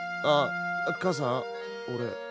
あっ母さんおれ。